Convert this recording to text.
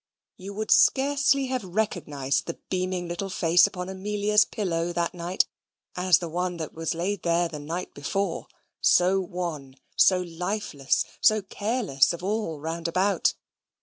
You would scarcely have recognised the beaming little face upon Amelia's pillow that night as the one that was laid there the night before, so wan, so lifeless, so careless of all round about.